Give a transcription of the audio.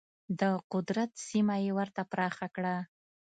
د قدرت سیمه یې ورته پراخه کړه.